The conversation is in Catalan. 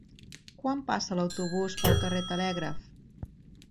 Quan passa l'autobús pel carrer Telègraf?